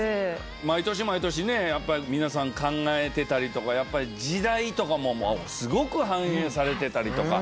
毎年毎年皆さん考えてたりとかやっぱり時代とかもすごく反映されてたりとか。